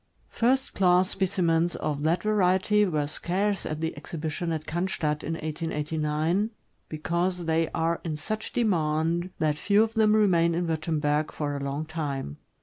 First class specimens of that variety were scarce at the exhibition at Oannstadt, in 1889, because they are in such demand that few of them remain in Wurtemberg for a long time.